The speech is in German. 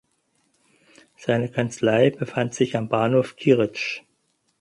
Seine Kanzlei befand sich am Bahnhof Kieritzsch.